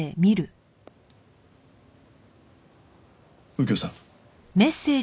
右京さん。